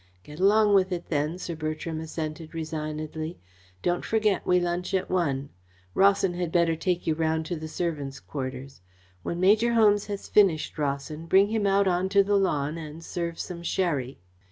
"Get along with it then," Sir Bertram assented resignedly. "Don't forget we lunch at one. Rawson had better take you round to the servants' quarters. When Major Holmes has finished, Rawson, bring him out on to the lawn and serve some sherry."